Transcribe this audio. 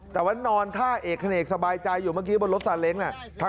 แต่ว่านอนท่าเอกเขนกสบายใจอยู่เมื่อกี้บนรถซาเล้ง